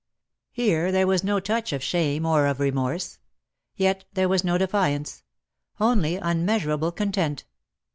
Here there was no touch of shame or of remorse. Yet there was no defiance: only un measurable content.